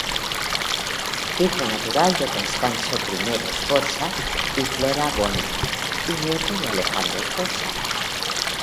Hijo natural de Costanzo I Sforza y Flora Boni, y nieto de Alejandro Sforza.